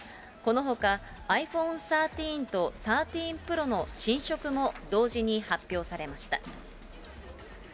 このほか、ｉＰｈｏｎｅ１３と、１３Ｐｒｏの新色も同時に発表されました。